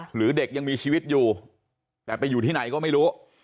หรือเด็กยังมีชีวิตอยู่แต่ไปอยู่ที่ไหนก็ไม่รู้